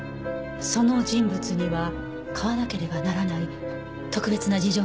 その人物には買わなければならない特別な事情があったのかしら？